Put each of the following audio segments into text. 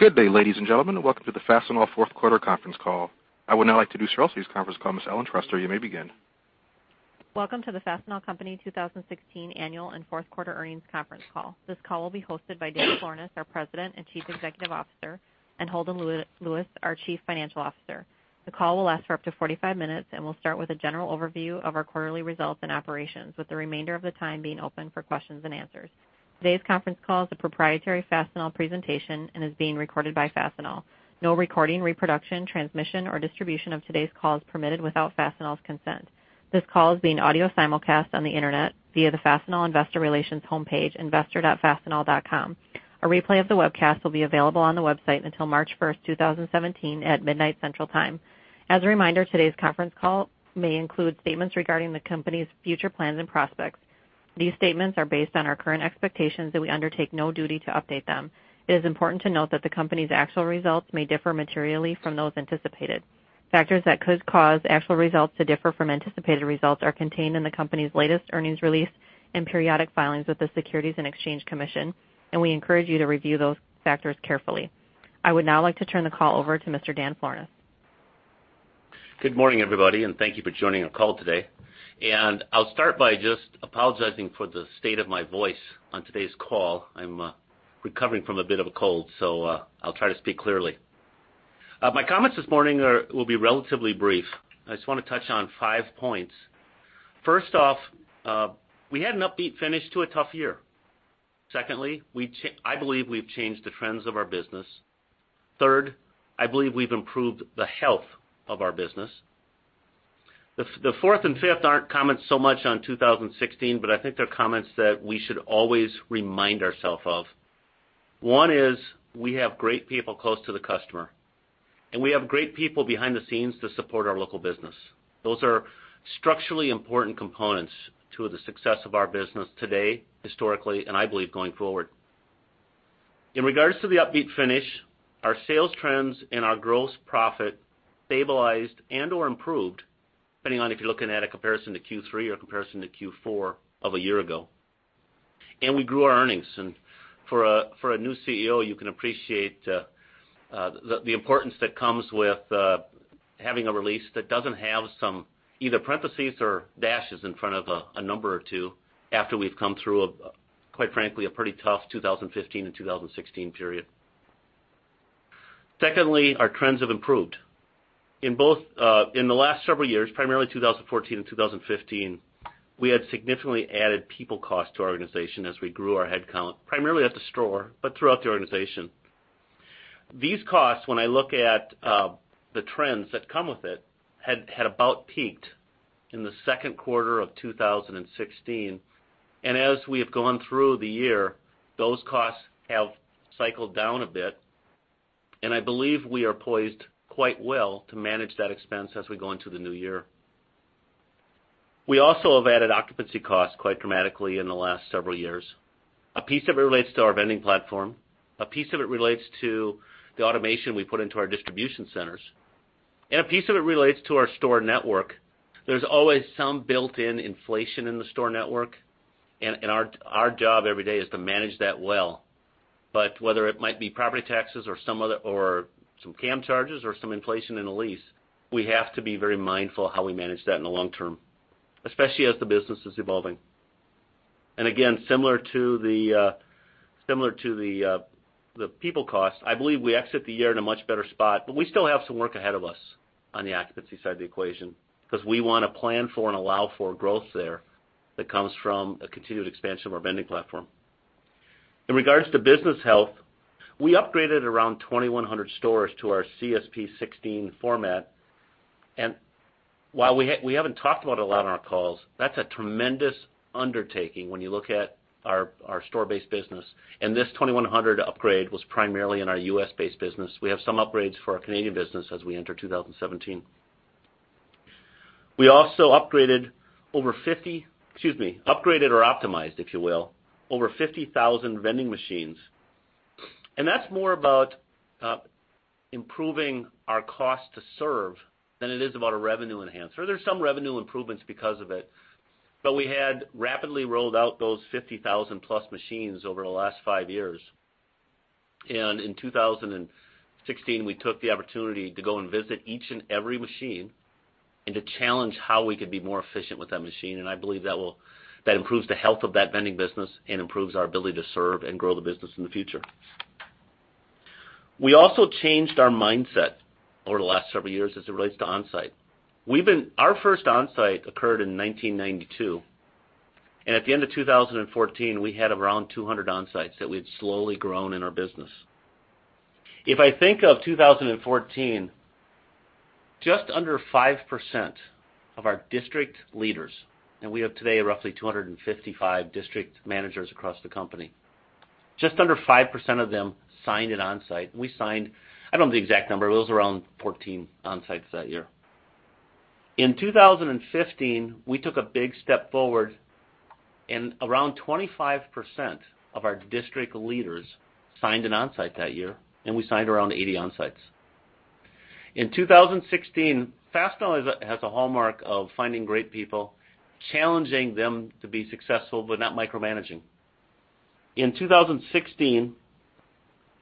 Good day, ladies and gentlemen. Welcome to the Fastenal fourth quarter conference call. I would now like to introduce your host for this conference call, Ms. Ellen Trester. You may begin. Welcome to The Fastenal Company 2016 annual and fourth quarter earnings conference call. This call will be hosted by Dan Florness, our President and Chief Executive Officer, and Holden Lewis, our Chief Financial Officer. The call will last for up to 45 minutes and will start with a general overview of our quarterly results and operations, with the remainder of the time being open for questions and answers. Today's conference call is a proprietary Fastenal presentation and is being recorded by Fastenal. No recording, reproduction, transmission, or distribution of today's call is permitted without Fastenal's consent. This call is being audio simulcast on the internet via the Fastenal Investor Relations homepage, investor.fastenal.com. A replay of the webcast will be available on the website until March 1st, 2017, at midnight Central Time. As a reminder, today's conference call may include statements regarding the company's future plans and prospects. These statements are based on our current expectations. We undertake no duty to update them. It is important to note that the company's actual results may differ materially from those anticipated. Factors that could cause actual results to differ from anticipated results are contained in the company's latest earnings release and periodic filings with the Securities and Exchange Commission. We encourage you to review those factors carefully. I would now like to turn the call over to Mr. Dan Florness. Good morning, everybody. Thank you for joining our call today. I'll start by just apologizing for the state of my voice on today's call. I'm recovering from a bit of a cold, so I'll try to speak clearly. My comments this morning will be relatively brief. I just want to touch on five points. First off, we had an upbeat finish to a tough year. Secondly, I believe we've changed the trends of our business. Third, I believe we've improved the health of our business. The fourth and fifth aren't comments so much on 2016, but I think they're comments that we should always remind ourself of. One is we have great people close to the customer. We have great people behind the scenes to support our local business. Those are structurally important components to the success of our business today, historically, and I believe going forward. In regards to the upbeat finish, our sales trends and our gross profit stabilized and/or improved, depending on if you're looking at a comparison to Q3 or comparison to Q4 of a year ago, and we grew our earnings. For a new CEO, you can appreciate the importance that comes with having a release that doesn't have some either parentheses or dashes in front of a number or two after we've come through a, quite frankly, a pretty tough 2015 and 2016 period. Secondly, our trends have improved. In the last several years, primarily 2014 and 2015, we had significantly added people cost to our organization as we grew our headcount, primarily at the store, but throughout the organization. These costs, when I look at the trends that come with it, had about peaked in the second quarter of 2016. As we have gone through the year, those costs have cycled down a bit, and I believe we are poised quite well to manage that expense as we go into the new year. We also have added occupancy costs quite dramatically in the last several years. A piece of it relates to our vending platform, a piece of it relates to the automation we put into our distribution centers, and a piece of it relates to our store network. There's always some built-in inflation in the store network, and our job every day is to manage that well. But whether it might be property taxes or some cam charges or some inflation in a lease, we have to be very mindful how we manage that in the long term, especially as the business is evolving. Again, similar to the people cost, I believe we exit the year in a much better spot, but we still have some work ahead of us on the occupancy side of the equation, because we want to plan for and allow for growth there that comes from a continued expansion of our vending platform. In regards to business health, we upgraded around 2,100 stores to our CSP 16 format. While we haven't talked about it a lot on our calls, that's a tremendous undertaking when you look at our store-based business, and this 2,100 upgrade was primarily in our U.S.-based business. We have some upgrades for our Canadian business as we enter 2017. We also upgraded or optimized, if you will, over 50,000 vending machines. That's more about improving our cost to serve than it is about a revenue enhancer. There's some revenue improvements because of it, but we had rapidly rolled out those 50,000-plus machines over the last five years. In 2016, we took the opportunity to go and visit each and every machine and to challenge how we could be more efficient with that machine. I believe that improves the health of that vending business and improves our ability to serve and grow the business in the future. We also changed our mindset over the last several years as it relates to Onsite. Our first Onsite occurred in 1992, and at the end of 2014, we had around 200 Onsites that we had slowly grown in our business. If I think of 2014, just under 5% of our district leaders, and we have today roughly 255 district managers across the company, just under 5% of them signed at Onsite. We signed, I don't know the exact number, but it was around 14 Onsites that year. In 2015, we took a big step forward and around 25% of our district leaders signed an Onsite that year, and we signed around 80 Onsites. In 2016, Fastenal has a hallmark of finding great people, challenging them to be successful, but not micromanaging. In 2016,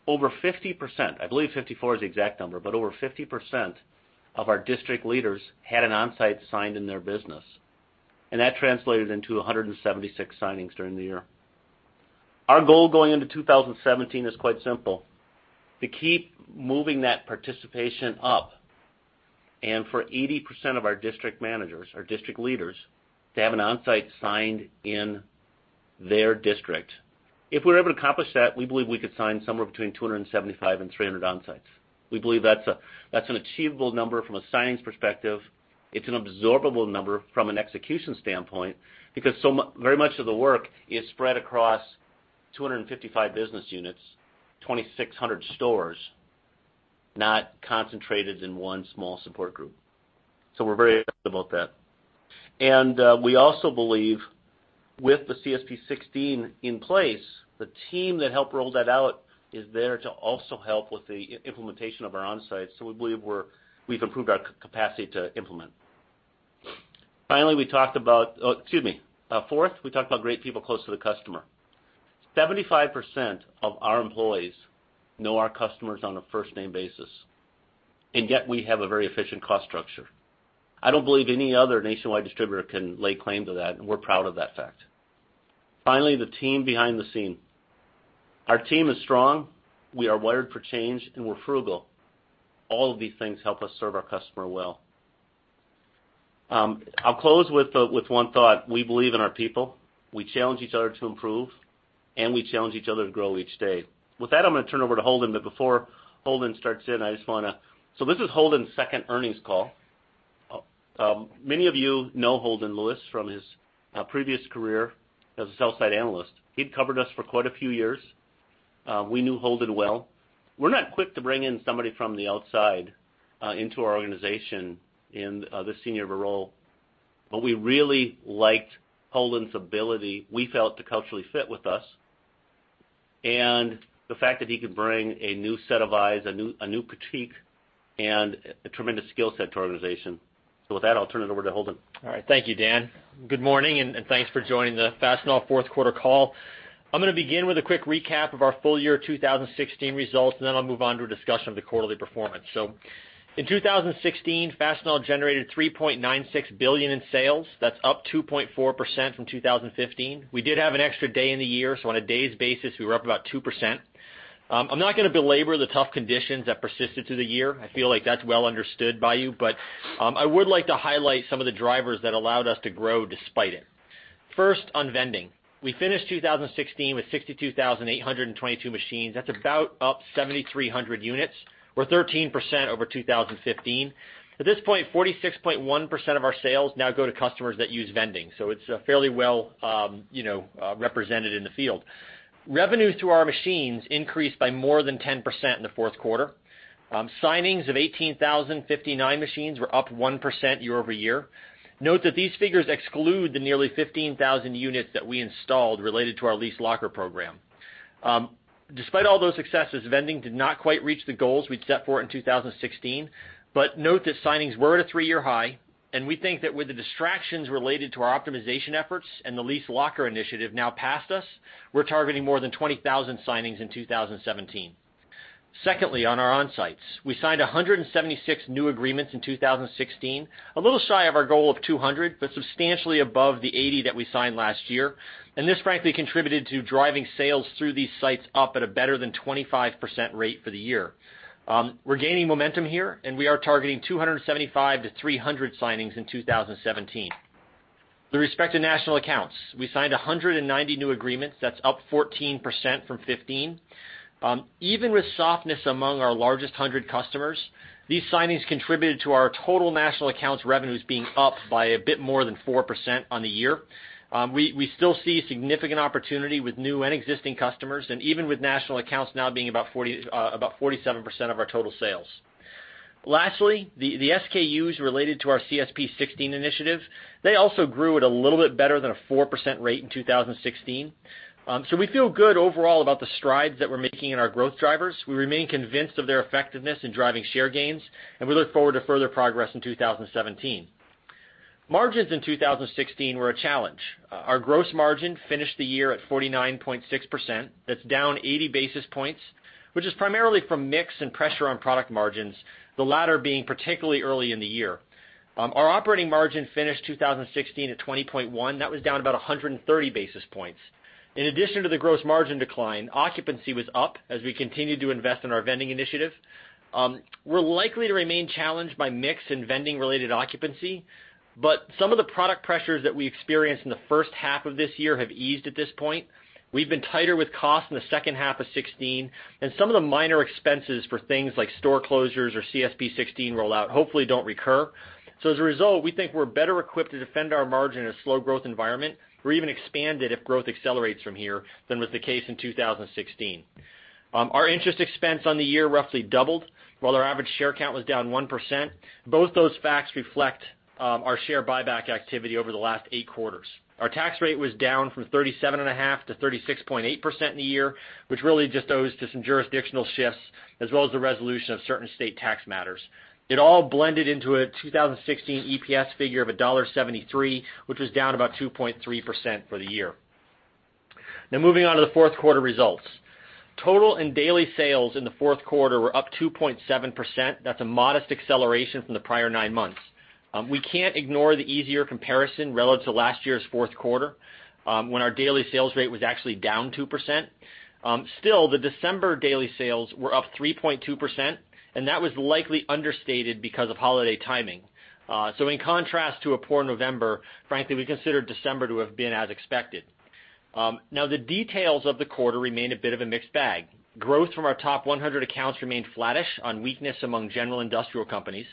over 50%, I believe 54 is the exact number, but over 50% of our district leaders had an Onsite signed in their business, and that translated into 176 signings during the year. Our goal going into 2017 is quite simple, to keep moving that participation up and for 80% of our district managers or district leaders to have an Onsite signed in their district. If we're able to accomplish that, we believe we could sign somewhere between 275 and 300 Onsites. We believe that's an achievable number from a signings perspective. It's an absorbable number from an execution standpoint, because very much of the work is spread across 255 business units, 2,600 stores, not concentrated in one small support group. We're very excited about that. We also believe with the CSP 16 in place, the team that helped roll that out is there to also help with the implementation of our Onsite. We believe we've improved our capacity to implement. Fourth, we talked about great people close to the customer. 75% of our employees know our customers on a first-name basis, and yet we have a very efficient cost structure. I don't believe any other nationwide distributor can lay claim to that, and we're proud of that fact. Finally, the team behind the scene. Our team is strong. We are wired for change, and we're frugal. All of these things help us serve our customer well. I'll close with one thought. We believe in our people, we challenge each other to improve, and we challenge each other to grow each day. With that, I'm going to turn over to Holden, but before Holden starts in. This is Holden's second earnings call. Many of you know Holden Lewis from his previous career as a sell-side analyst. He'd covered us for quite a few years. We knew Holden well. We're not quick to bring in somebody from the outside into our organization in this senior of a role, but we really liked Holden's ability, we felt, to culturally fit with us, and the fact that he could bring a new set of eyes, a new critique, and a tremendous skill set to our organization. With that, I'll turn it over to Holden. All right. Thank you, Dan. Good morning, and thanks for joining the Fastenal fourth quarter call. I'm going to begin with a quick recap of our full year 2016 results, and then I'll move on to a discussion of the quarterly performance. In 2016, Fastenal generated $3.96 billion in sales. That's up 2.4% from 2015. We did have an extra day in the year, so on a day's basis, we were up about 2%. I'm not going to belabor the tough conditions that persisted through the year. I feel like that's well understood by you, but I would like to highlight some of the drivers that allowed us to grow despite it. First, on vending, we finished 2016 with 62,822 machines. That's about up 7,300 units or 13% over 2015. At this point, 46.1% of our sales now go to customers that use vending, so it's fairly well represented in the field. Revenues through our machines increased by more than 10% in the fourth quarter. Signings of 18,059 machines were up 1% year-over-year. Note that these figures exclude the nearly 15,000 units that we installed related to our leased locker program. Despite all those successes, vending did not quite reach the goals we'd set for it in 2016. Note that signings were at a three-year high, and we think that with the distractions related to our optimization efforts and the leased locker initiative now past us, we're targeting more than 20,000 signings in 2017. Secondly, on our Onsites, we signed 176 new agreements in 2016, a little shy of our goal of 200, but substantially above the 80 that we signed last year. This frankly contributed to driving sales through these sites up at a better than 25% rate for the year. We're gaining momentum here, and we are targeting 275 to 300 signings in 2017. With respect to national accounts, we signed 190 new agreements. That's up 14% from 2015. Even with softness among our largest 100 customers, these signings contributed to our total national accounts revenues being up by a bit more than 4% on the year. We still see significant opportunity with new and existing customers, and even with national accounts now being about 47% of our total sales. Lastly, the SKUs related to our CSP 16 initiative, they also grew at a little bit better than a 4% rate in 2016. We feel good overall about the strides that we're making in our growth drivers. We remain convinced of their effectiveness in driving share gains, and we look forward to further progress in 2017. Margins in 2016 were a challenge. Our gross margin finished the year at 49.6%. That's down 80 basis points, which is primarily from mix and pressure on product margins, the latter being particularly early in the year. Our operating margin finished 2016 at 20.1. That was down about 130 basis points. In addition to the gross margin decline, occupancy was up as we continued to invest in our vending initiative. We're likely to remain challenged by mix and vending-related occupancy, but some of the product pressures that we experienced in the first half of this year have eased at this point. We've been tighter with costs in the second half of 2016, and some of the minor expenses for things like store closures or CSP 16 rollout hopefully don't recur. As a result, we think we're better equipped to defend our margin in a slow growth environment or even expand it if growth accelerates from here than was the case in 2016. Our interest expense on the year roughly doubled, while our average share count was down 1%. Both those facts reflect our share buyback activity over the last eight quarters. Our tax rate was down from 37.5% to 36.8% in the year, which really just owes to some jurisdictional shifts as well as the resolution of certain state tax matters. It all blended into a 2016 EPS figure of $1.73, which was down about 2.3% for the year. Moving on to the fourth quarter results. Total and daily sales in the fourth quarter were up 2.7%. That's a modest acceleration from the prior nine months. We can't ignore the easier comparison relative to last year's fourth quarter, when our daily sales rate was actually down 2%. The December daily sales were up 3.2%, and that was likely understated because of holiday timing. In contrast to a poor November, frankly, we considered December to have been as expected. The details of the quarter remain a bit of a mixed bag. Growth from our top 100 accounts remained flattish on weakness among general industrial companies.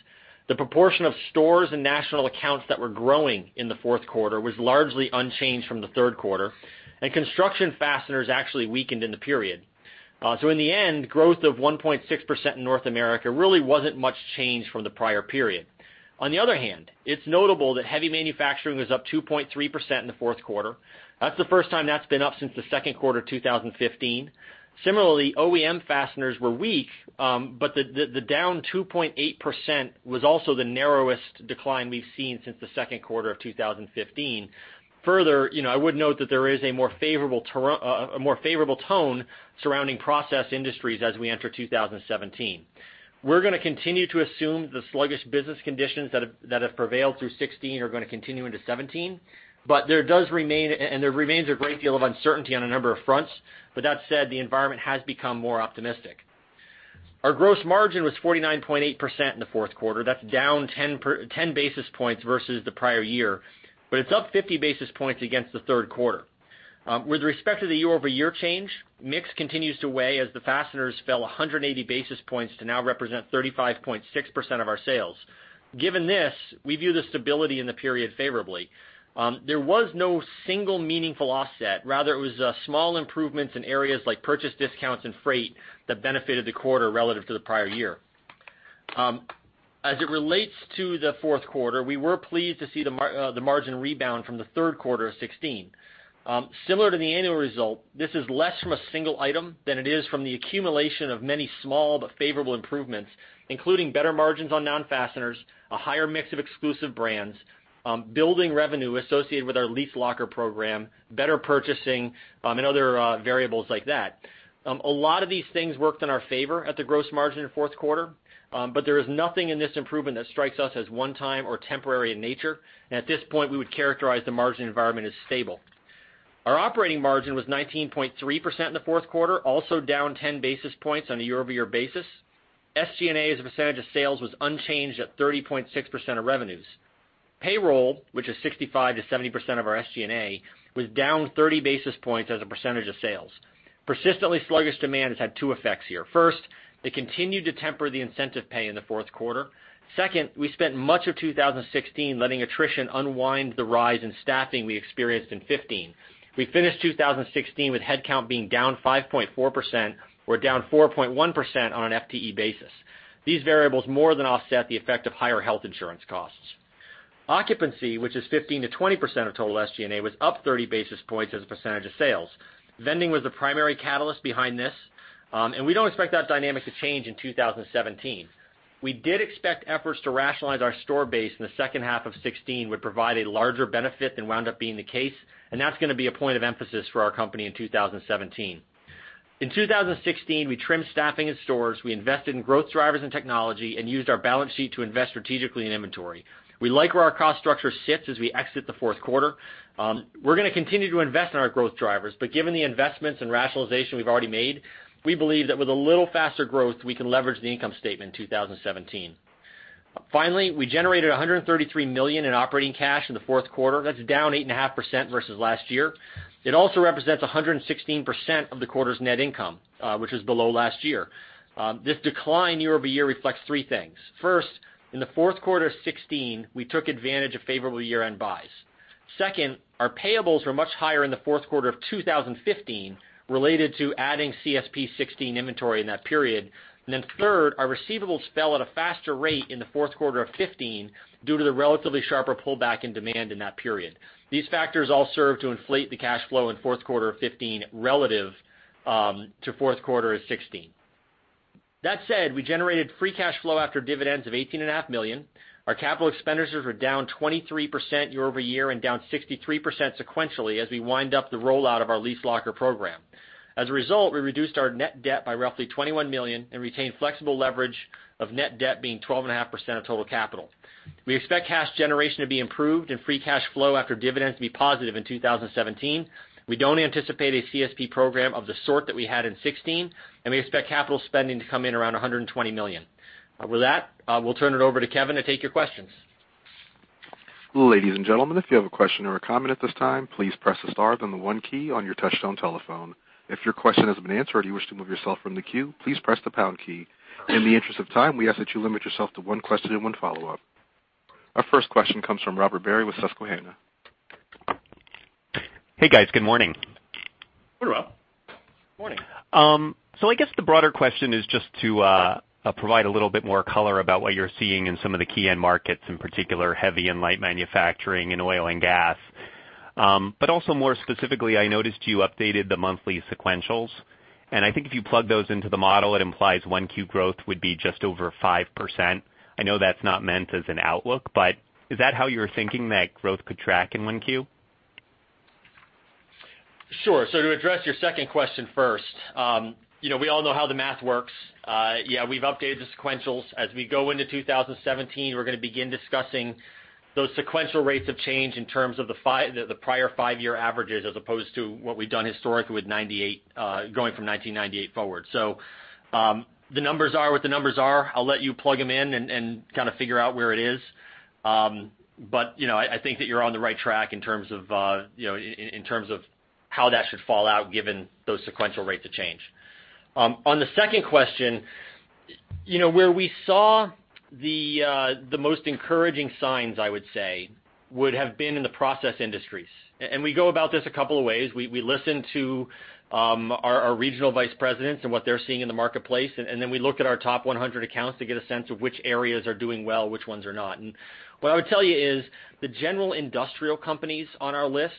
The proportion of stores and national accounts that were growing in the fourth quarter was largely unchanged from the third quarter, and construction fasteners actually weakened in the period. In the end, growth of 1.6% in North America really wasn't much change from the prior period. On the other hand, it's notable that heavy manufacturing was up 2.3% in the fourth quarter. That's the first time that's been up since the second quarter 2015. Similarly, OEM fasteners were weak, but the down 2.8% was also the narrowest decline we've seen since the second quarter of 2015. I would note that there is a more favorable tone surrounding process industries as we enter 2017. We're going to continue to assume the sluggish business conditions that have prevailed through 2016 are going to continue into 2017, and there remains a great deal of uncertainty on a number of fronts. With that said, the environment has become more optimistic. Our gross margin was 49.8% in the fourth quarter. That's down 10 basis points versus the prior year, but it's up 50 basis points against the third quarter. With respect to the year-over-year change, mix continues to weigh as the fasteners fell 180 basis points to now represent 35.6% of our sales. Given this, we view the stability in the period favorably. There was no single meaningful offset. Rather, it was small improvements in areas like purchase discounts and freight that benefited the quarter relative to the prior year. As it relates to the fourth quarter, we were pleased to see the margin rebound from the third quarter of 2016. Similar to the annual result, this is less from a single item than it is from the accumulation of many small but favorable improvements, including better margins on non-fasteners, a higher mix of exclusive brands, building revenue associated with our locker lease program, better purchasing, and other variables like that. A lot of these things worked in our favor at the gross margin in the fourth quarter. There is nothing in this improvement that strikes us as one time or temporary in nature. At this point, we would characterize the margin environment as stable. Our operating margin was 19.3% in the fourth quarter, also down 10 basis points on a year-over-year basis. SG&A as a percentage of sales was unchanged at 30.6% of revenues. Payroll, which is 65%-70% of our SG&A, was down 30 basis points as a percentage of sales. Persistently sluggish demand has had two effects here. First, they continued to temper the incentive pay in the fourth quarter. Second, we spent much of 2016 letting attrition unwind the rise in staffing we experienced in 2015. We finished 2016 with headcount being down 5.4%, or down 4.1% on an FTE basis. These variables more than offset the effect of higher health insurance costs. Occupancy, which is 15%-20% of total SG&A, was up 30 basis points as a percentage of sales. Vending was the primary catalyst behind this, and we don't expect that dynamic to change in 2017. We did expect efforts to rationalize our store base in the second half of 2016 would provide a larger benefit than wound up being the case, and that's going to be a point of emphasis for our company in 2017. In 2016, we trimmed staffing in stores, we invested in growth drivers and technology, and used our balance sheet to invest strategically in inventory. We like where our cost structure sits as we exit the fourth quarter. We're going to continue to invest in our growth drivers, but given the investments and rationalization we've already made, we believe that with a little faster growth, we can leverage the income statement in 2017. Finally, we generated $133 million in operating cash in the fourth quarter. That's down 8.5% versus last year. It also represents 116% of the quarter's net income, which was below last year. This decline year-over-year reflects three things. First, in the fourth quarter of 2016, we took advantage of favorable year-end buys. Second, our payables were much higher in the fourth quarter of 2015 related to adding CSP 16 inventory in that period. Third, our receivables fell at a faster rate in the fourth quarter of 2015 due to the relatively sharper pullback in demand in that period. These factors all serve to inflate the cash flow in fourth quarter of 2015 relative to fourth quarter of 2016. That said, we generated free cash flow after dividends of $18.5 million. Our capital expenditures were down 23% year-over-year and down 63% sequentially as we wind up the rollout of our locker lease program. As a result, we reduced our net debt by roughly $21 million and retained flexible leverage of net debt being 12.5% of total capital. We expect cash generation to be improved and free cash flow after dividends to be positive in 2017. We don't anticipate a CSP program of the sort that we had in 2016. We expect capital spending to come in around $120 million. With that, we'll turn it over to Kevin to take your questions. Ladies and gentlemen, if you have a question or a comment at this time, please press the star then the one key on your touchtone telephone. If your question has been answered or you wish to remove yourself from the queue, please press the pound key. In the interest of time, we ask that you limit yourself to one question and one follow-up. Our first question comes from Robert Barry with Susquehanna. Hey, guys. Good morning. Hey, Rob. Good morning. I guess the broader question is just to provide a little bit more color about what you're seeing in some of the key end markets, in particular, heavy and light manufacturing and oil and gas. Also more specifically, I noticed you updated the monthly sequentials. I think if you plug those into the model, it implies 1Q growth would be just over 5%. I know that's not meant as an outlook, but is that how you're thinking that growth could track in 1Q? To address your second question first. We all know how the math works. We've updated the sequentials. As we go into 2017, we're going to begin discussing those sequential rates of change in terms of the prior five-year averages as opposed to what we've done historically going from 1998 forward. The numbers are what the numbers are. I'll let you plug them in and kind of figure out where it is. I think that you're on the right track in terms of how that should fall out given those sequential rates of change. On the second question, where we saw the most encouraging signs, I would say, would have been in the process industries. We go about this a couple of ways. We listen to our Regional Vice Presidents and what they're seeing in the marketplace. We look at our top 100 accounts to get a sense of which areas are doing well, which ones are not. What I would tell you is the general industrial companies on our lists,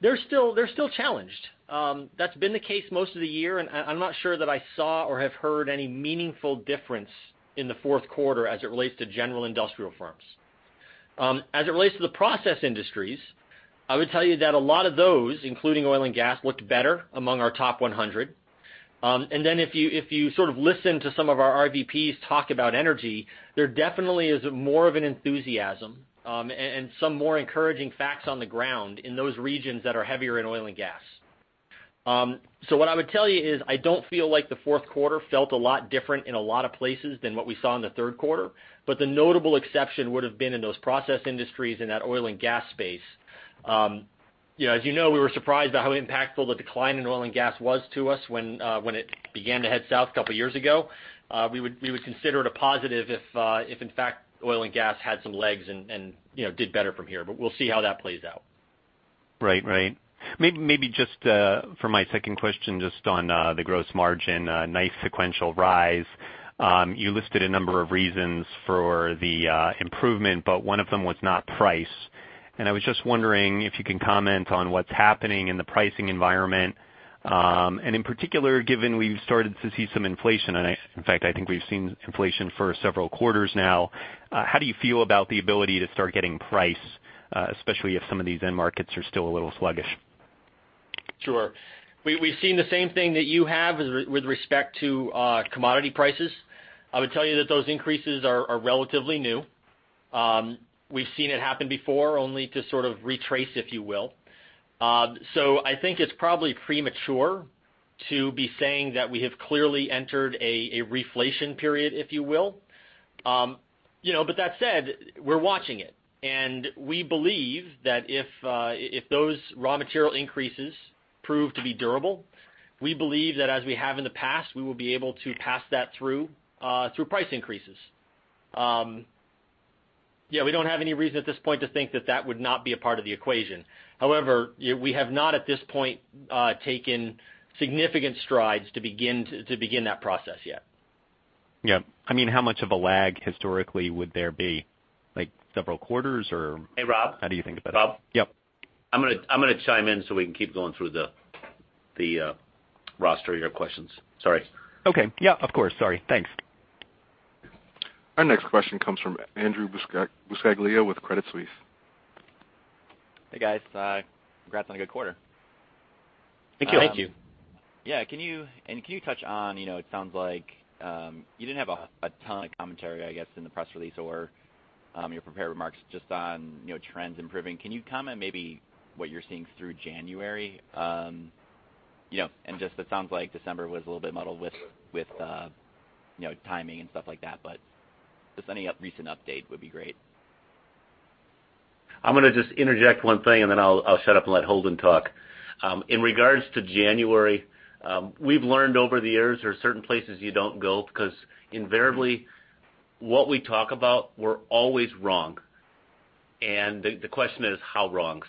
they're still challenged. That's been the case most of the year, and I'm not sure that I saw or have heard any meaningful difference in the fourth quarter as it relates to general industrial firms. As it relates to the process industries, I would tell you that a lot of those, including oil and gas, looked better among our top 100. If you sort of listen to some of our RVPs talk about energy, there definitely is more of an enthusiasm, and some more encouraging facts on the ground in those regions that are heavier in oil and gas. What I would tell you is, I don't feel like the fourth quarter felt a lot different in a lot of places than what we saw in the third quarter, the notable exception would've been in those process industries in that oil and gas space. As you know, we were surprised by how impactful the decline in oil and gas was to us when it began to head south a couple of years ago. We would consider it a positive if in fact oil and gas had some legs and did better from here, we'll see how that plays out. Right. Maybe just for my second question, just on the gross margin, nice sequential rise. You listed a number of reasons for the improvement, one of them was not price. I was just wondering if you can comment on what's happening in the pricing environment, and in particular, given we've started to see some inflation. In fact, I think we've seen inflation for several quarters now. How do you feel about the ability to start getting price, especially if some of these end markets are still a little sluggish? Sure. We've seen the same thing that you have with respect to commodity prices. I would tell you that those increases are relatively new. We've seen it happen before, only to sort of retrace, if you will. I think it's probably premature to be saying that we have clearly entered a reflation period, if you will. That said, we're watching it, and we believe that if those raw material increases prove to be durable, we believe that as we have in the past, we will be able to pass that through price increases. Yeah, we don't have any reason at this point to think that that would not be a part of the equation. However, we have not, at this point, taken significant strides to begin that process yet. Yeah. How much of a lag historically would there be? Like several quarters, or- Hey, Rob how do you think about it? Rob? Yep. I'm going to chime in so we can keep going through the roster of your questions. Sorry. Okay. Yeah, of course. Sorry. Thanks. Our next question comes from Andrew Buscaglia with Credit Suisse. Hey, guys. Congrats on a good quarter. Thank you. Thank you. Yeah. You didn't have a ton of commentary, I guess, in the press release or your prepared remarks just on trends improving. Can you comment maybe what you're seeing through January? Just, it sounds like December was a little bit muddled with timing and stuff like that, but just any recent update would be great. I'm going to just interject one thing and then I'll shut up and let Holden talk. In regards to January, we've learned over the years there are certain places you don't go because invariably what we talk about, we're always wrong. The question is how wrong.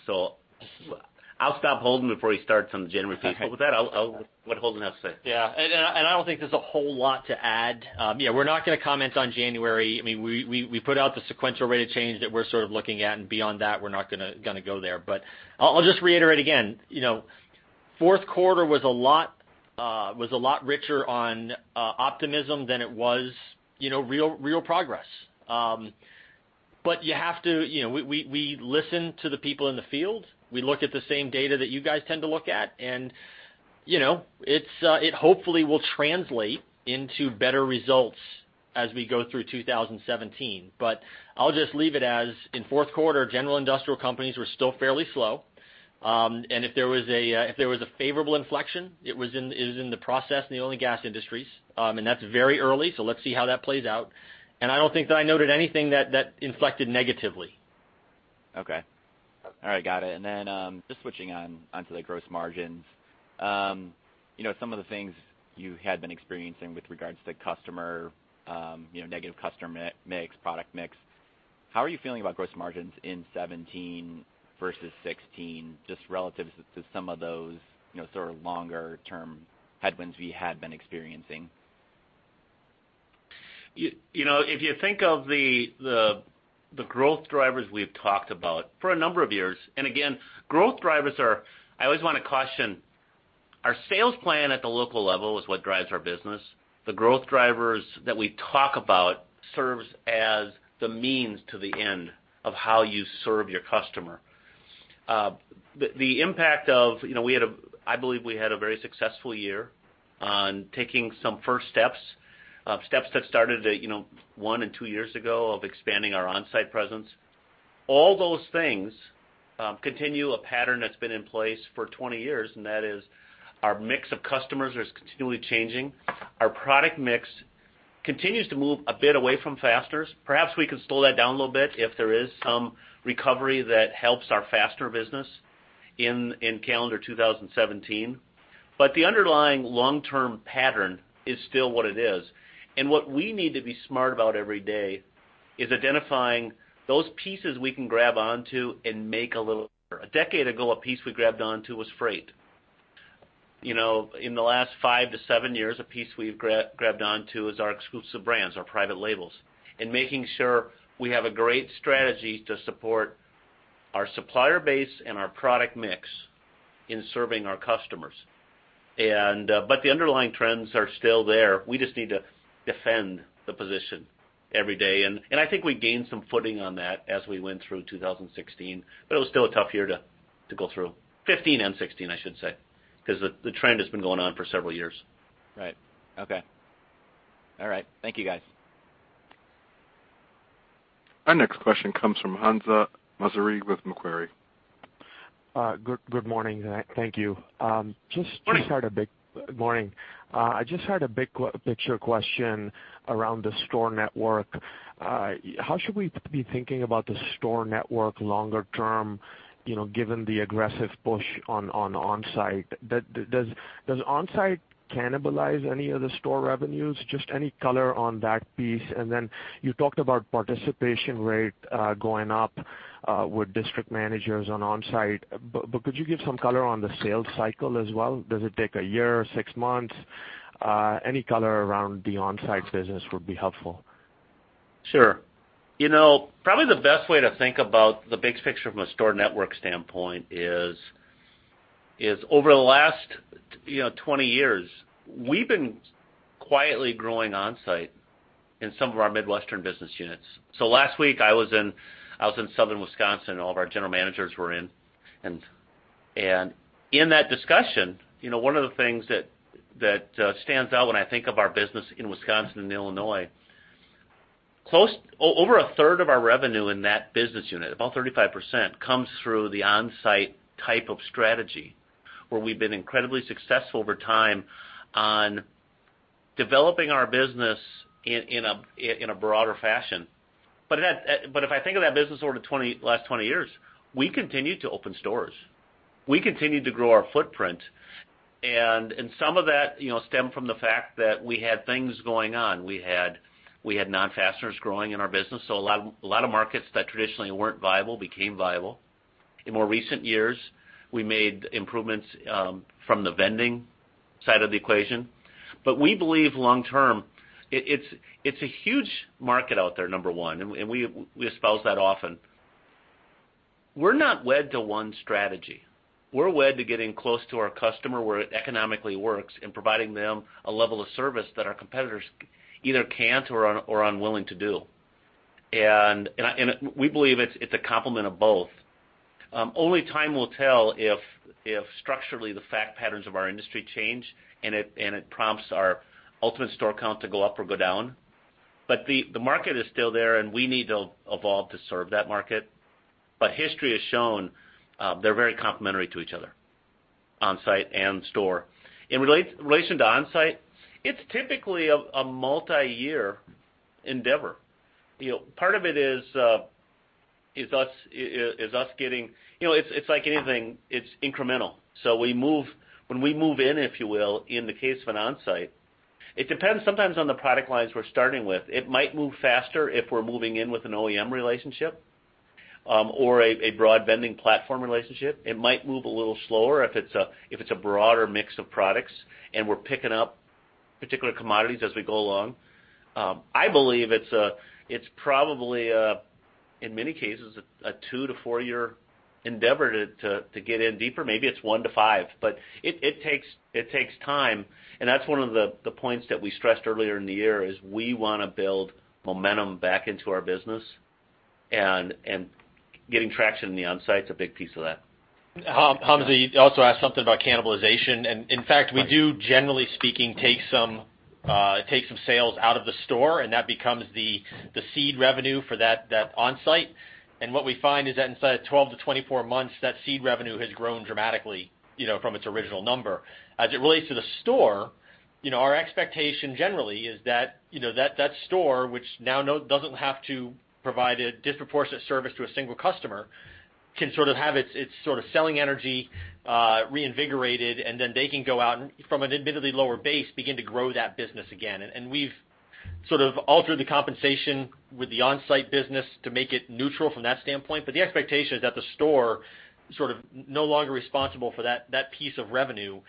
I'll stop Holden before he starts on the January piece. With that, I'll let Holden have a say. Yeah. I don't think there's a whole lot to add. Yeah, we're not going to comment on January. We put out the sequential rate of change that we're sort of looking at. Beyond that, we're not going to go there. I'll just reiterate again, fourth quarter was a lot richer on optimism than it was real progress. We listen to the people in the field. We look at the same data that you guys tend to look at. It hopefully will translate into better results as we go through 2017. I'll just leave it as in fourth quarter, general industrial companies were still fairly slow. If there was a favorable inflection, it is in the process in the oil and gas industries. That's very early, so let's see how that plays out. I don't think that I noted anything that inflected negatively. Okay. All right. Got it. Just switching onto the gross margins. Some of the things you had been experiencing with regards to negative customer mix, product mix, how are you feeling about gross margins in '17 versus '16, just relative to some of those sort of longer-term headwinds we had been experiencing? If you think of the growth drivers we've talked about for a number of years, I always want to caution, our sales plan at the local level is what drives our business. The growth drivers that we talk about serves as the means to the end of how you serve your customer. I believe we had a very successful year on taking some first steps that started one and two years ago of expanding our Onsite presence. All those things continue a pattern that's been in place for 20 years. That is our mix of customers is continually changing. Our product mix continues to move a bit away from fasteners. Perhaps we can slow that down a little bit if there is some recovery that helps our faster business in calendar 2017. The underlying long-term pattern is still what it is. What we need to be smart about every day is identifying those pieces we can grab onto and make a little. A decade ago, a piece we grabbed onto was freight. In the last five to seven years, a piece we've grabbed onto is our exclusive brands, our private labels, making sure we have a great strategy to support our supplier base and our product mix in serving our customers. The underlying trends are still there. We just need to defend the position every day. I think we gained some footing on that as we went through 2016. It was still a tough year to go through, '15 and '16, I should say, because the trend has been going on for several years. Right. Okay. All right. Thank you, guys. Our next question comes from Hamzah Mazari with Macquarie. Good morning. Thank you. Morning. Morning. I just had a big picture question around the store network. How should we be thinking about the store network longer term, given the aggressive push on Onsite? Does Onsite cannibalize any of the store revenues? Just any color on that piece. Then you talked about participation rate going up with district managers on Onsite. Could you give some color on the sales cycle as well? Does it take a year, six months? Any color around the Onsite business would be helpful. Sure. Probably the best way to think about the big picture from a store network standpoint is over the last 20 years, we've been quietly growing Onsite in some of our Midwestern business units. Last week I was in Southern Wisconsin, and all of our general managers were in. In that discussion, one of the things that stands out when I think of our business in Wisconsin and Illinois, over a third of our revenue in that business unit, about 35%, comes through the Onsite type of strategy, where we've been incredibly successful over time on developing our business in a broader fashion. If I think of that business over the last 20 years, we continued to open stores. We continued to grow our footprint, and some of that stemmed from the fact that we had things going on. We had non-fasteners growing in our business, a lot of markets that traditionally weren't viable became viable. In more recent years, we made improvements from the vending side of the equation. We believe long term, it's a huge market out there, number one, and we espouse that often. We're not wed to one strategy. We're wed to getting close to our customer where it economically works and providing them a level of service that our competitors either can't or are unwilling to do. We believe it's a complement of both. Only time will tell if structurally the fact patterns of our industry change and it prompts our ultimate store count to go up or go down. The market is still there, and we need to evolve to serve that market. History has shown they're very complementary to each other, Onsite and store. In relation to Onsite, it's typically a multi-year endeavor. Part of it is, it's like anything. It's incremental. When we move in, if you will, in the case of an Onsite, it depends sometimes on the product lines we're starting with. It might move faster if we're moving in with an OEM relationship or a broad vending platform relationship. It might move a little slower if it's a broader mix of products and we're picking up particular commodities as we go along. I believe it's probably, in many cases, a 2-4 year endeavor to get in deeper. Maybe it's 1-5, but it takes time, and that's one of the points that we stressed earlier in the year is we want to build momentum back into our business, and getting traction in the Onsite is a big piece of that. Hamzah, you also asked something about cannibalization, in fact, we do, generally speaking, take some sales out of the store, and that becomes the seed revenue for that Onsite. What we find is that inside of 12-24 months, that seed revenue has grown dramatically from its original number. As it relates to the store, our expectation generally is that that store, which now doesn't have to provide a disproportionate service to a single customer, can sort of have its selling energy reinvigorated, then they can go out and from an admittedly lower base, begin to grow that business again. We've sort of altered the compensation with the Onsite business to make it neutral from that standpoint. The expectation is that the store sort of no longer responsible for that piece of revenue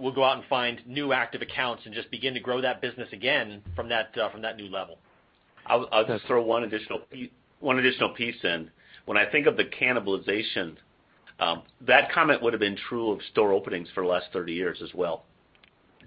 will go out and find new active accounts and just begin to grow that business again from that new level. I'll just throw one additional piece in. When I think of the cannibalization, that comment would've been true of store openings for the last 30 years as well.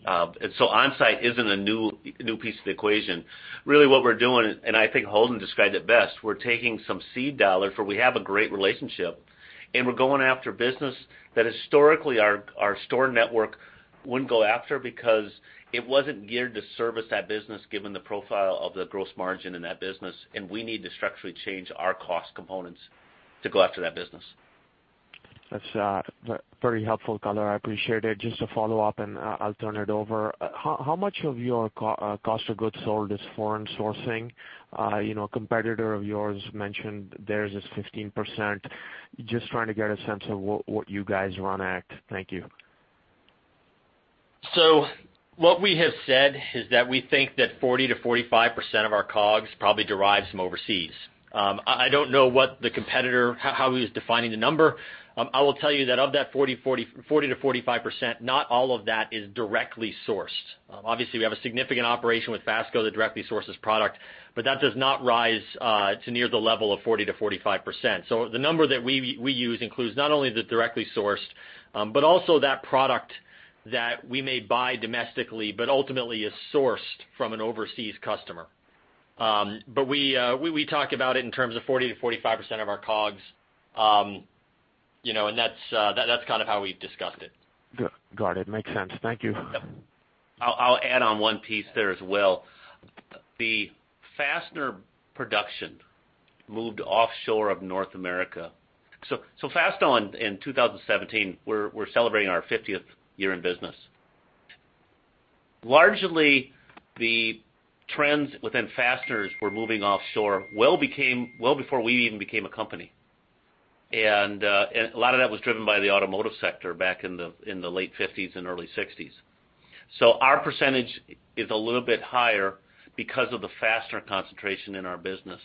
Onsite isn't a new piece of the equation. Really what we're doing, and I think Holden described it best, we're taking some seed dollars, for we have a great relationship, and we're going after business that historically our store network wouldn't go after because it wasn't geared to service that business given the profile of the gross margin in that business, and we need to structurally change our cost components to go after that business. That's very helpful color. I appreciate it. Just to follow up, and I'll turn it over. How much of your cost of goods sold is foreign sourcing? A competitor of yours mentioned theirs is 15%. Just trying to get a sense of what you guys run at. Thank you. What we have said is that we think that 40%-45% of our COGS probably derives from overseas. I don't know what the competitor, how he was defining the number. I will tell you that of that 40%-45%, not all of that is directly sourced. Obviously, we have a significant operation with Fastco that directly sources product, but that does not rise to near the level of 40%-45%. The number that we use includes not only the directly sourced, but also that product that we may buy domestically, but ultimately is sourced from an overseas customer. We talk about it in terms of 40%-45% of our COGS, and that's kind of how we've discussed it. Got it. Makes sense. Thank you. I'll add on one piece there as well. The fastener production moved offshore of North America. Fastenal, in 2017, we're celebrating our 50th year in business. Largely, the trends within fasteners were moving offshore well before we even became a company. A lot of that was driven by the automotive sector back in the late '50s and early '60s. Our percentage is a little bit higher because of the fastener concentration in our business.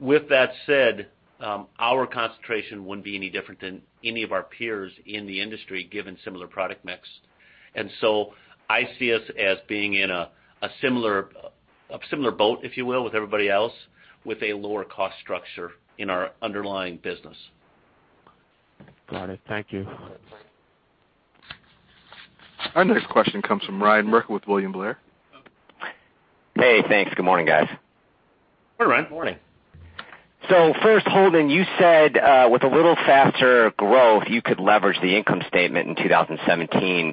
With that said, our concentration wouldn't be any different than any of our peers in the industry, given similar product mix. I see us as being in a similar boat, if you will, with everybody else, with a lower cost structure in our underlying business. Got it. Thank you. Our next question comes from Ryan Merkel with William Blair. Hey, thanks. Good morning, guys. Hey, Ryan. Morning. First, Holden, you said, with a little faster growth, you could leverage the income statement in 2017.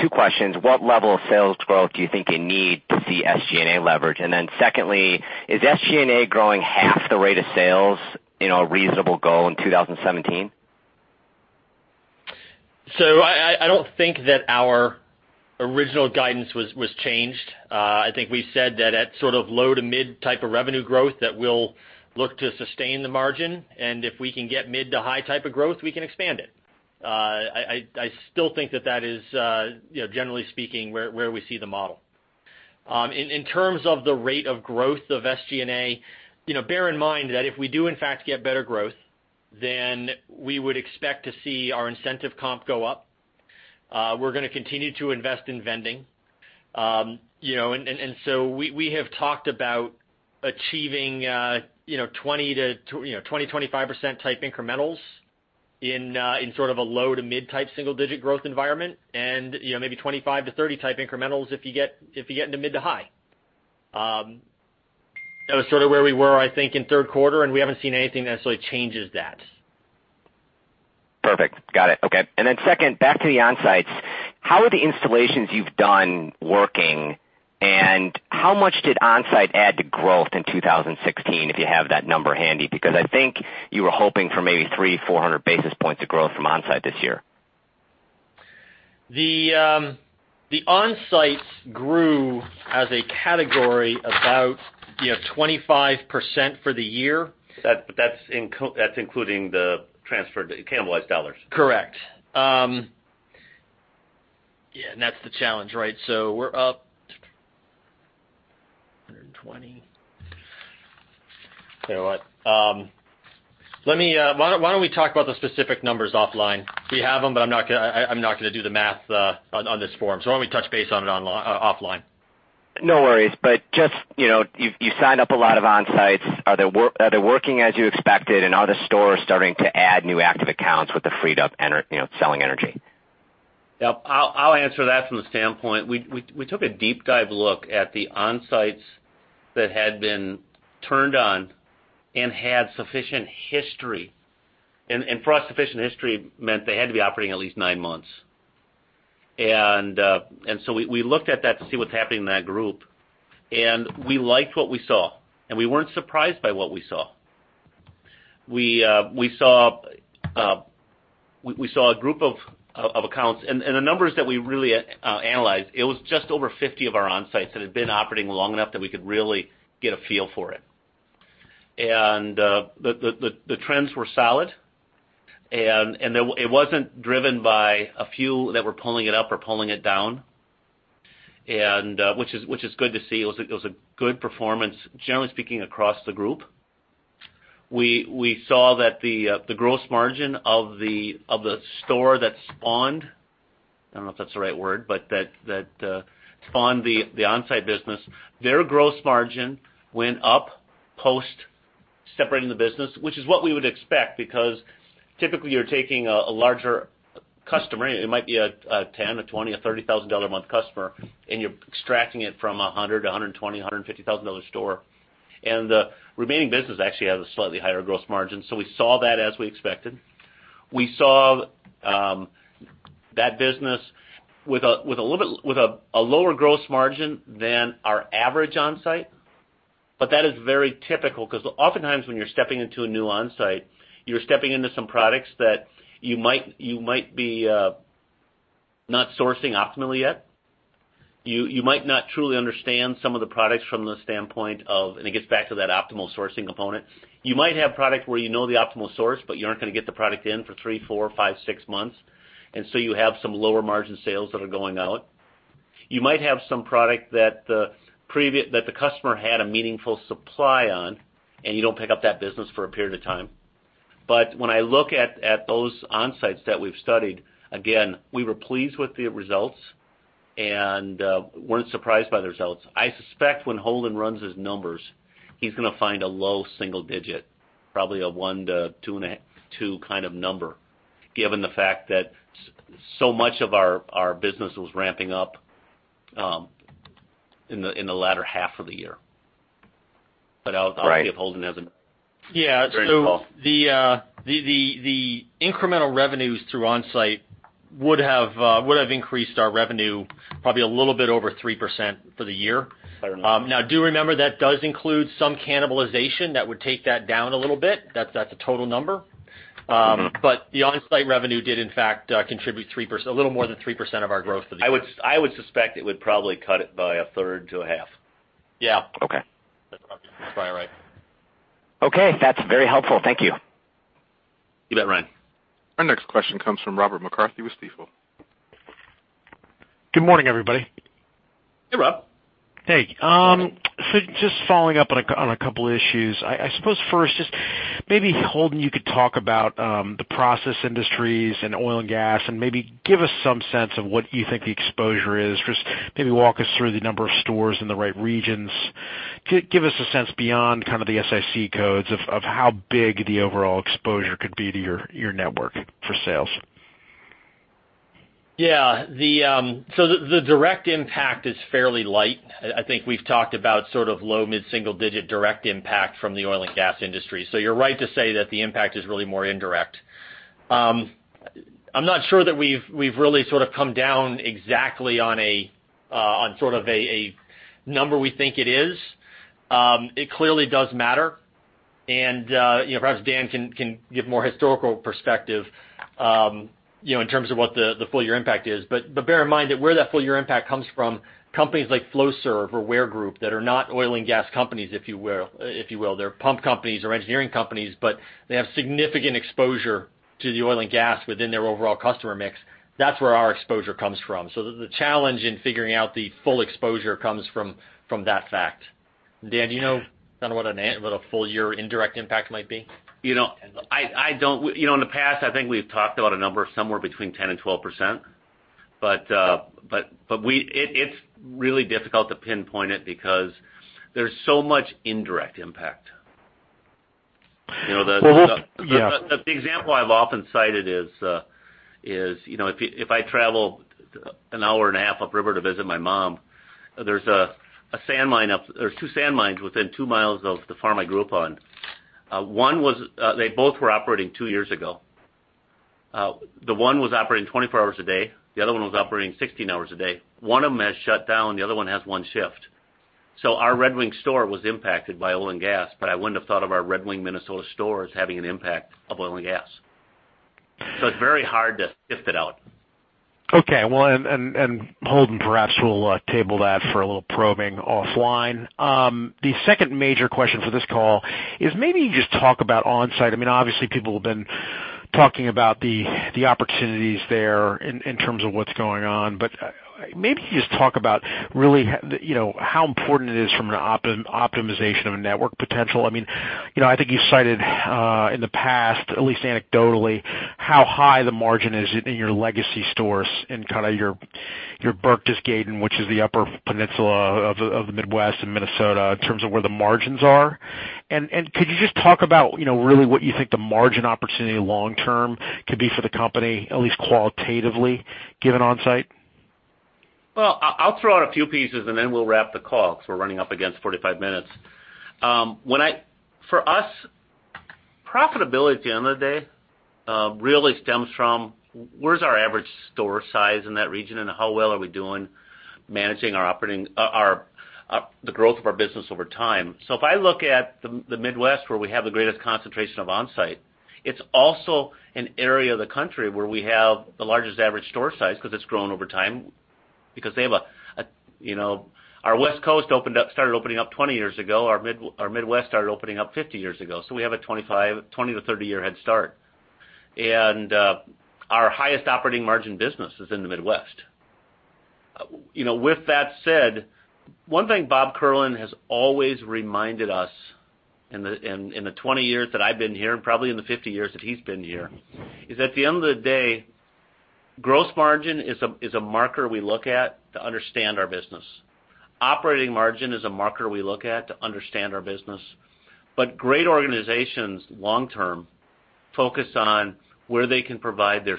Two questions. What level of sales growth do you think you need to see SG&A leverage? Secondly, is SG&A growing half the rate of sales in a reasonable goal in 2017? I don't think that our original guidance was changed. I think we said that at sort of low to mid type of revenue growth, that we'll look to sustain the margin, and if we can get mid to high type of growth, we can expand it. I still think that that is, generally speaking, where we see the model. In terms of the rate of growth of SG&A, bear in mind that if we do in fact get better growth, we would expect to see our incentive comp go up. We're going to continue to invest in vending. We have talked about achieving 20%-25% type incrementals in sort of a low to mid type single digit growth environment and maybe 25-30 type incrementals if you get into mid to high. That was sort of where we were, I think, in third quarter, and we haven't seen anything that sort of changes that. Perfect. Got it. Okay. Then second, back to the Onsites. How are the installations you've done working, and how much did Onsite add to growth in 2016, if you have that number handy? Because I think you were hoping for maybe 300, 400 basis points of growth from Onsite this year. The Onsites grew as a category about 25% for the year. That's including the transferred cannibalized dollars. Correct. That's the challenge, right? We're up 120. Tell you what, why don't we talk about the specific numbers offline? We have them. I'm not going to do the math on this forum. Why don't we touch base on it offline. No worries. You've signed up a lot of Onsites. Are they working as you expected? Are the stores starting to add new active accounts with the freed up selling energy? I'll answer that from the standpoint, we took a deep dive look at the Onsites that had been turned on and had sufficient history. For us, sufficient history meant they had to be operating at least nine months. We looked at that to see what's happening in that group. We liked what we saw. We weren't surprised by what we saw. We saw a group of accounts. The numbers that we really analyzed, it was just over 50 of our Onsites that had been operating long enough that we could really get a feel for it. The trends were solid. It wasn't driven by a few that were pulling it up or pulling it down, which is good to see. It was a good performance, generally speaking, across the group. We saw that the gross margin of the store that spawned, I don't know if that's the right word, that spawned the Onsite business, their gross margin went up post separating the business, which is what we would expect, because typically you're taking a larger customer, it might be a $10,000, a $20,000, a $30,000 a month customer, and you're extracting it from a $100,000, $120,000, $150,000 store. The remaining business actually has a slightly higher gross margin. We saw that as we expected. We saw that business with a lower gross margin than our average Onsite. That is very typical because oftentimes when you're stepping into a new Onsite, you're stepping into some products that you might be not sourcing optimally yet. You might not truly understand some of the products from the standpoint of, it gets back to that optimal sourcing component. You might have product where you know the optimal source, but you aren't going to get the product in for three, four, five, six months, and so you have some lower margin sales that are going out. You might have some product that the customer had a meaningful supply on, and you don't pick up that business for a period of time. When I look at those Onsites that we've studied, again, we were pleased with the results and weren't surprised by the results. I suspect when Holden runs his numbers, he's going to find a low single digit, probably a one to two kind of number, given the fact that so much of our business was ramping up in the latter half of the year. Obviously, Holden has an- Yeah. During the call. The incremental revenues through Onsite would have increased our revenue probably a little bit over 3% for the year. Fair enough. Do remember that does include some cannibalization that would take that down a little bit. That's the total number. The Onsite revenue did in fact, contribute a little more than 3% of our growth for the year. I would suspect it would probably cut it by a third to a half. Yeah. Okay. That's probably about right. Okay. That's very helpful. Thank you. You bet, Ryan. Our next question comes from Robert McCarthy with Stifel. Good morning, everybody. Hey, Rob. Hey. Just following up on a couple issues. I suppose first, just maybe Holden, you could talk about the process industries and oil and gas, and maybe give us some sense of what you think the exposure is, just maybe walk us through the number of stores in the right regions. Give us a sense beyond kind of the SIC codes of how big the overall exposure could be to your network for sales. Yeah. The direct impact is fairly light. I think we've talked about sort of low mid-single digit direct impact from the oil and gas industry. You're right to say that the impact is really more indirect. I'm not sure that we've really sort of come down exactly on sort of a number we think it is. It clearly does matter and perhaps Dan can give more historical perspective, in terms of what the full year impact is. Bear in mind that where that full year impact comes from, companies like Flowserve or Weir Group that are not oil and gas companies, if you will. They're pump companies or engineering companies, but they have significant exposure to the oil and gas within their overall customer mix. That's where our exposure comes from. The challenge in figuring out the full exposure comes from that fact. Dan, do you know kind of what a full year indirect impact might be? In the past, I think we've talked about a number somewhere between 10 and 12%, it's really difficult to pinpoint it because there's so much indirect impact. Well, yeah. The example I've often cited is if I travel an hour and a half upriver to visit my mom, there are two sand mines within 2 miles of the farm I grew up on. They both were operating 2 years ago. The one was operating 24 hours a day. The other one was operating 16 hours a day. One of them has shut down, the other one has one shift. Our Red Wing store was impacted by oil and gas, I wouldn't have thought of our Red Wing, Minnesota store as having an impact of oil and gas. It's very hard to sift it out. Okay. Well, Holden, perhaps we'll table that for a little probing offline. The second major question for this call is maybe just talk about Onsite. I mean, obviously people have been talking about the opportunities there in terms of what's going on, maybe just talk about really how important it is from an optimization of a network potential. I think you've cited in the past, at least anecdotally, how high the margin is in your legacy stores in kind of your Berk to Skadden, which is the upper peninsula of the Midwest and Minnesota, in terms of where the margins are. Could you just talk about really what you think the margin opportunity long term could be for the company, at least qualitatively, given Onsite? Well, I'll throw out a few pieces we'll wrap the call because we're running up against 45 minutes. For us, profitability at the end of the day really stems from where's our average store size in that region and how well are we doing managing the growth of our business over time. If I look at the Midwest, where we have the greatest concentration of Onsite, it's also an area of the country where we have the largest average store size because it's grown over time because our West Coast started opening up 20 years ago. Our Midwest started opening up 50 years ago. We have a 20 to 30 year head start. Our highest operating margin business is in the Midwest. With that said, one thing Bob Kierlin has always reminded us in the 20 years that I've been here, and probably in the 50 years that he's been here, is at the end of the day, gross margin is a marker we look at to understand our business. Operating margin is a marker we look at to understand our business. Great organizations long term focus on where they can provide their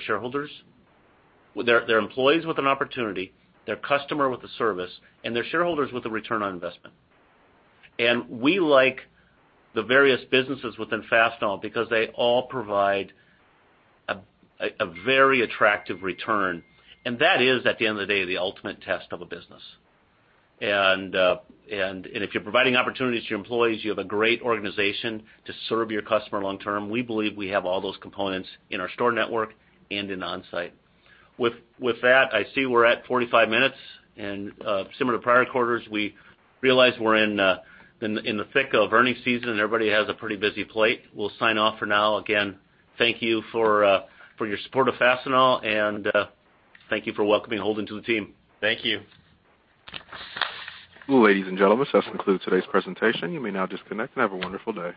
employees with an opportunity, their customer with a service, and their shareholders with a return on investment. We like the various businesses within Fastenal because they all provide a very attractive return, and that is, at the end of the day, the ultimate test of a business. If you're providing opportunities to your employees, you have a great organization to serve your customer long term. We believe we have all those components in our store network and in Onsite. With that, I see we're at 45 minutes and similar to prior quarters, we realize we're in the thick of earnings season and everybody has a pretty busy plate. We'll sign off for now. Again, thank you for your support of Fastenal, and thank you for welcoming Holden to the team. Thank you. Ladies and gentlemen, this concludes today's presentation. You may now disconnect and have a wonderful day.